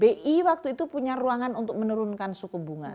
bi waktu itu punya ruangan untuk menurunkan suku bunga